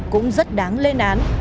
cũng rất đáng lên án